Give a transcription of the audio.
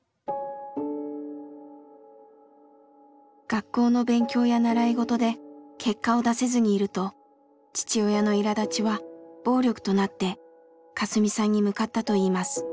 学校の勉強や習い事で結果を出せずにいると父親のいらだちは暴力となってカスミさんに向かったといいます。